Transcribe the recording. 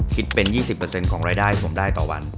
คิดเป็น๒๐เปอร์เซ็นต์ของรายได้สมได้ต่อวัน